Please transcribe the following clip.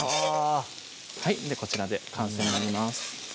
はぁこちらで完成になります